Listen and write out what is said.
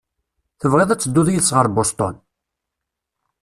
Tebɣiḍ ad tedduḍ yid-s ɣer Boston?